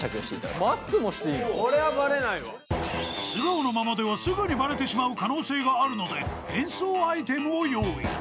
［素顔のままではすぐにバレてしまう可能性があるので変装アイテムを用意］